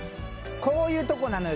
こういうとこなのよ